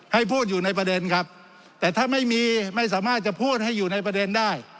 ให้พูดอยู่ในประเด็นครับแต่ถ้าไม่มีไม่สามารถจะพูดให้อยู่ในประเด็นได้